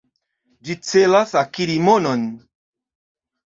Ĝi celas akiri monon.